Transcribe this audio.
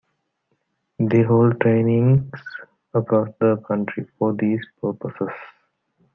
They hold trainings across the country for these purposes.